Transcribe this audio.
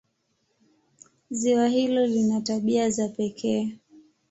Ziwa hilo lina tabia za pekee.